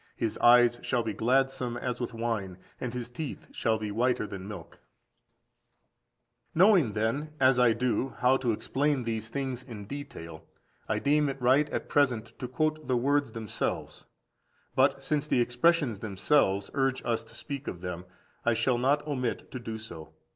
His eyes shall be gladsome as with wine, and his teeth shall be whiter than milk."14211421 Gen. xlix. 8–12. 8. Knowing, then, as I do, how to explain these things in detail, I deem it right at present to quote the words themselves. But since the expressions themselves urge us to speak of them. I shall not omit to do so.